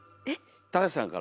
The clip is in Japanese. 高橋さんから。